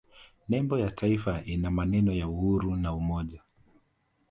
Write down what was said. nembo ya taifa ina maneno ya uhuru na umoja